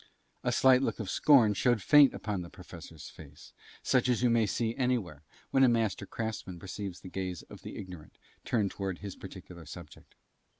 A slight look of scorn showed faint upon the Professor's face such as you may see anywhere when a master craftsman perceives the gaze of the ignorant turned towards his particular subject.